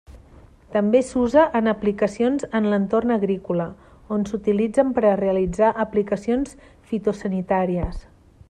També s'usa en aplicacions en l'entorn agrícola, on s'utilitzen per a realitzar aplicacions fitosanitàries.